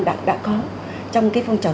đã có trong cái phong trào